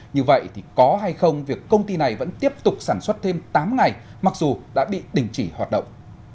như vậy thì có hay không việc công ty này vẫn tiếp tục sản xuất thêm tám ngày mặc dù đã bị đình chỉ hoạt động